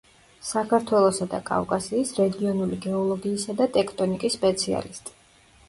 საქართველოსა და კავკასიის რეგიონული გეოლოგიისა და ტექტონიკის სპეციალისტი.